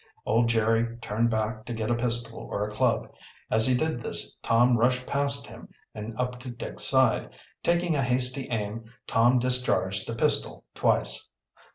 Old Jerry turned back to get a pistol or a club. As he did this Tom rushed past him and up to Dick's side. Taking a hasty aim, Tom discharged the pistol twice.